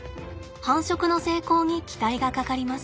繁殖の成功に期待がかかります。